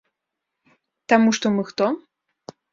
Таму што мы хто?